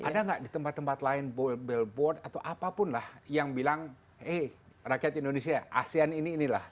ada nggak di tempat tempat lain billboard atau apapun lah yang bilang eh rakyat indonesia asean ini inilah